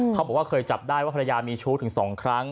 บอกว่าเคยจับได้ว่าภรรยามีชู้ถึง๒ครั้ง